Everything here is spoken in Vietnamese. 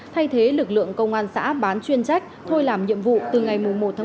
thay thế lực lượng công an xã bán chuyên trách thôi làm nhiệm vụ từ ngày một một mươi một hai nghìn một mươi chín